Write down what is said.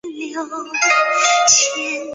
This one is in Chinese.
从开禧四年颁布施行。